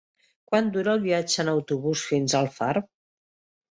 Quant dura el viatge en autobús fins a Alfarb?